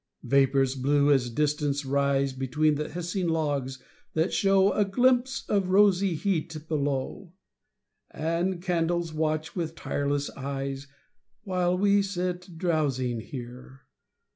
Vapours blue as distance rise Between the hissing logs that show A glimpse of rosy heat below; And candles watch with tireless eyes While we sit drowsing here.